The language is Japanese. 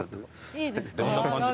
いいですか？